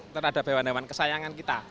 terhadap hewan hewan kesayangan kita